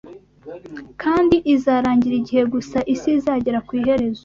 kandi izarangira igihe gusa isi izagera ku iherezo